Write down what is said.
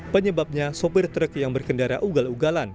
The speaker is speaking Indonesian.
penyebabnya sopir truk yang berkendara ugal ugalan